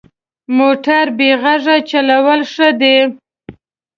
موټر بې غږه چلول ښه دي.